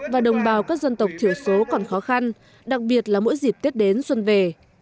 và đồng bào các dân tộc thiểu số còn khó khăn đặc biệt là mỗi dịp tết đến xuân về